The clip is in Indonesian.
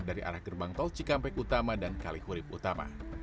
dari arah gerbang tol cikampek utama dan kalihurip utama